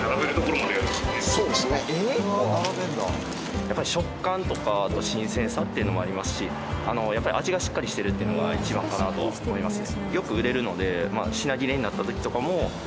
やっぱり食感とか新鮮さっていうのもありますしやっぱり味がしっかりしてるっていうのが一番かなとは思いますね。